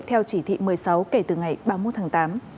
theo chỉ thị một mươi sáu kể từ ngày ba mươi một tháng tám